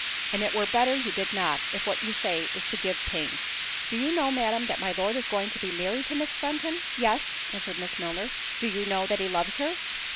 "And it were better you did not, if what you say is to give pain. Do you know, Madam, that my Lord is going to be married to Miss Fenton?" "Yes," answered Miss Milner. "Do you know that he loves her?"